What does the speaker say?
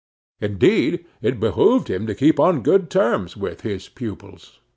Indeed, it behooved him to keep on good terms with his pupils.